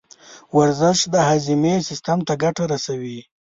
ورزش د هاضمې سیستم ته ګټه رسوي.